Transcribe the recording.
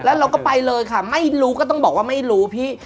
แล้วเราก็ไปเลยค่ะไม่รู้ก็ต้องบอกว่าไม่รู้พี่